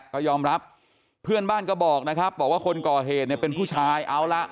ก็ยอมรับเพื่อนบ้านก็บอกนะครับบอกว่าคนก่อเหตุเนี่ยเป็นผู้ชายเอาละ